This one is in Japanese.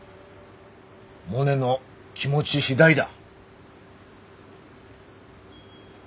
モネの気持ち次第だ。